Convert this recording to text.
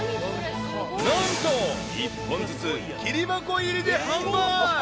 ［何と一本ずつきり箱入りで販売］